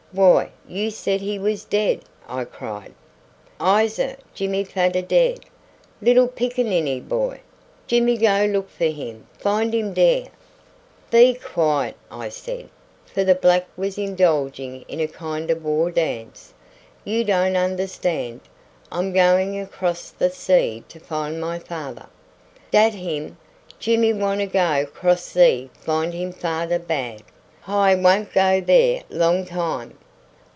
"Why, you said he was dead," I cried. "Iss, Jimmy fader dead, little pickaninny boy; Jimmy go look for him, find him dere." "Be quiet," I said, for the black was indulging in a kind of war dance; "you don't understand. I'm going across the sea to find my father." "Dat him. Jimmy want go 'cross sea find him fader bad. Hi! want go there long time."